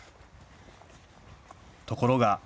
ところが。